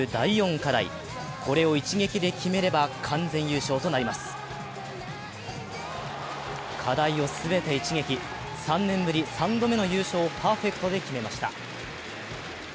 課題を全て一撃、３年ぶり３度目の優勝をパーフェクトで決めました。